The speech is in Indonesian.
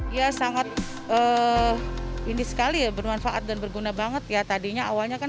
ya sangat ini sekali ya bermanfaat dan berguna banget ya tadinya awalnya kan